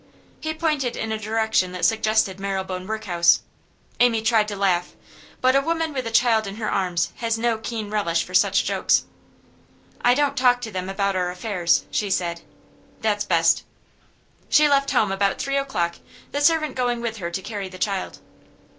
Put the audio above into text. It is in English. He pointed in a direction that suggested Marylebone Workhouse. Amy tried to laugh, but a woman with a child in her arms has no keen relish for such jokes. 'I don't talk to them about our affairs,' she said. 'That's best.' She left home about three o'clock, the servant going with her to carry the child.